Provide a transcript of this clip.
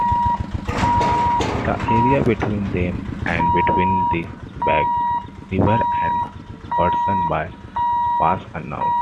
The area between them and between the Back River and Hudson Bay was unknown.